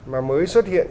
mà mới xuất hiện